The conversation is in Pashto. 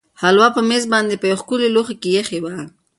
هلوا په مېز باندې په یوه ښکلي لوښي کې ایښې وه.